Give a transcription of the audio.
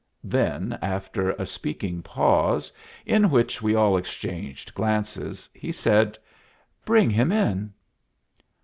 Then, after a speaking pause, in which we all exchanged glances, he said, "Bring him in."